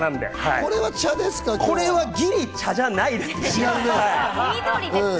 これはギリ茶じゃないですね。